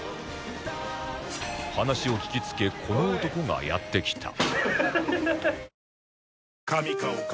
話を聞きつけこの男がやって来た